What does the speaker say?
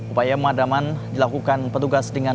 upaya pemadaman dilakukan petugas dengan